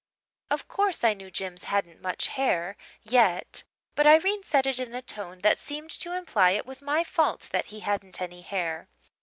"Of course, I knew Jims hadn't much hair yet; but Irene said it in a tone that seemed to imply it was my fault that he hadn't any hair.